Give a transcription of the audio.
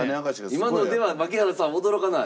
今のでは槙原さん驚かない？